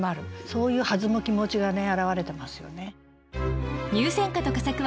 そういう弾む気持ちがね表れてますよね。